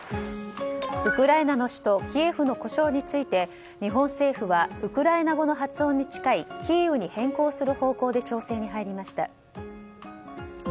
ウクライナの首都キエフの呼称について日本政府はウクライナ語の発音に近いキーウに変更する方向で調整に入りました。